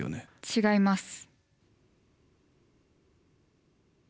違います。